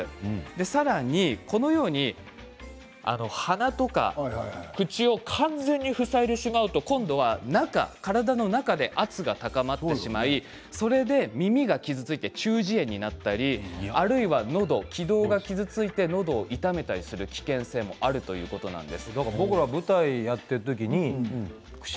さらにこのように鼻とか口を完全に塞いでしまうと今度は体の中で圧が高まってしまって耳が傷ついて中耳炎になってしまったりあるいはのど、気道が傷ついてのどを傷めたりする危険があるということなんです。